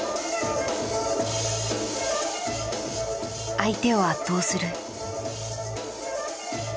相手を圧倒する。